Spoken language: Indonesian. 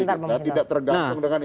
kita tidak tergantung dengan itu